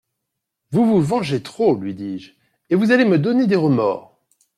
Vous vous vengez trop ! lui dis-je, et vous allez me donner des remords.